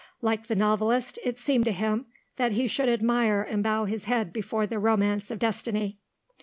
Like the novelist, it seemed to him that he should admire and bow his head before the romance of destiny.